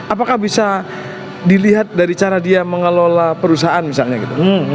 apakah bisa dilihat dari cara dia mengelola perusahaan misalnya gitu